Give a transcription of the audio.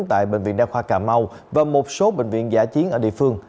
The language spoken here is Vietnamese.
tại bệnh viện đa khoa cà mau